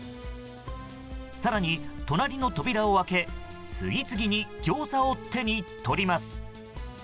更に、隣の扉を開け次々にギョーザを手に取ります。